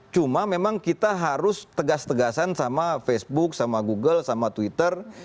cuma memang kita harus tegas tegasan sama facebook sama google sama twitter